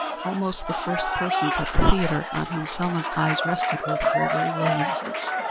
Almost the first persons at the theatre on whom Selma's eyes rested were the Gregory Williamses.